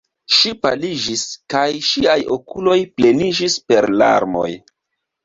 Ŝi paliĝis, kaj ŝiaj okuloj pleniĝis per larmoj.